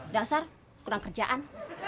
dasar kurang kerjaan